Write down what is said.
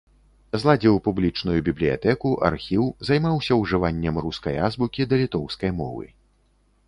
Зладзіў публічную бібліятэку, архіў, займаўся ужываннем рускай азбукі да літоўскай мовы.